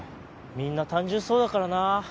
みんな単純そうだからなあ。